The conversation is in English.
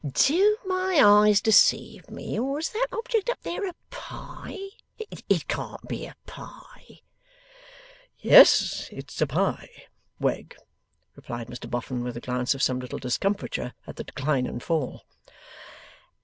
DO my eyes deceive me, or is that object up there a a pie? It can't be a pie.' 'Yes, it's a pie, Wegg,' replied Mr Boffin, with a glance of some little discomfiture at the Decline and Fall.